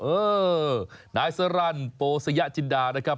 เออนายสรรโปสยจินดานะครับ